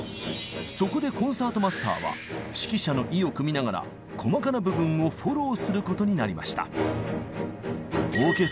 そこでコンサートマスターは指揮者の意をくみながら細かな部分をフォローすることになりました。